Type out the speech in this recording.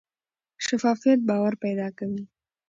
شفافیت باور پیدا کوي